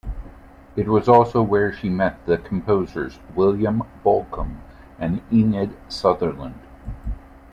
It was also where she met the composers William Bolcom and Enid Sutherland.